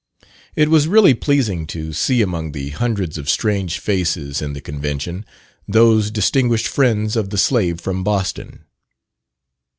It was really pleasing to see among the hundreds of strange faces in the Convention, those distinguished friends of the slave from Boston.